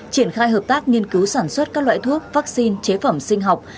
triển khai hợp tác nghiên cứu sản xuất các loại thuốc vaccine chế phẩm sinh học